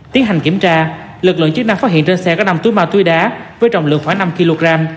tiến hành kiểm tra lực lượng chức năng phát hiện trên xe có năm túi ma túy đá với trọng lượng khoảng năm kg